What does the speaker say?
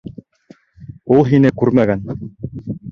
Ул һине күрмәгән.